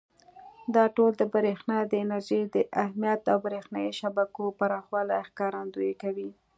دا ټول د برېښنا د انرژۍ د اهمیت او برېښنایي شبکو پراخوالي ښکارندويي کوي.